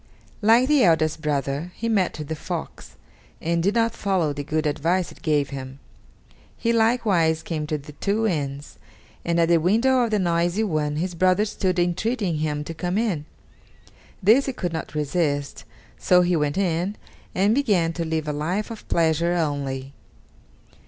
Like the eldest brother, he met with the fox, and did not follow the good advice it gave him. He likewise came to the two inns, and at the window of the noisy one his brother stood entreating him to come in. This he could not resist, so he went in, and began to live a life of pleasure only.